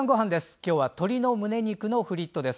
今日は鶏のむね肉のフリットです。